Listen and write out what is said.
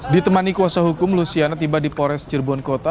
ditemani kuasa hukum lusiana tiba di polres cirebon kota